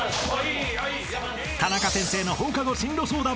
［タナカ先生の放課後進路相談も］